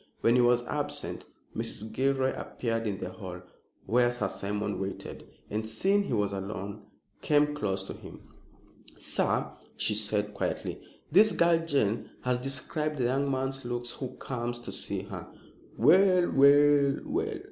When he was absent, Mrs. Gilroy appeared in the hall where Sir Simon waited, and, seeing he was alone, came close to him. "Sir," she said quietly, "this girl Jane has described the young man's looks who comes to see her." "Well! well! well!"